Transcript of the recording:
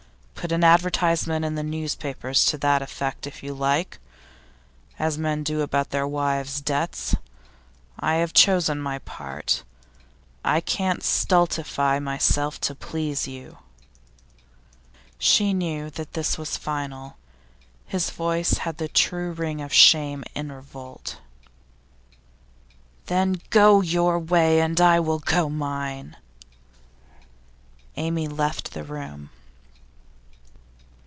Put an advertisement in the newspapers to that effect, if you like as men do about their wives' debts. I have chosen my part. I can't stultify myself to please you.' She knew that this was final. His voice had the true ring of shame in revolt. 'Then go your way, and I will go mine!' Amy left the room.